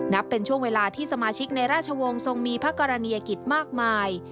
นับเป็นช่วงเวลาที่สมาชิกในราชวงศ์ทรงมีพระกรณียกิจมากมาย